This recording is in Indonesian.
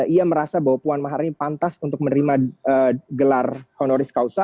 ia merasa bahwa puan maharani pantas untuk menerima gelar honoris causa